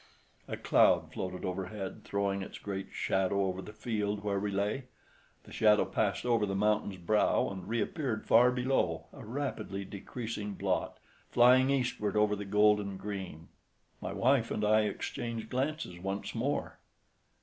A cloud floated overhead, throwing its great shadow over the field where we lay. The shadow passed over the mountain's brow and reappeared far below, a rapidly decreasing blot, flying eastward over the golden green. My wife and I exchanged glances once more.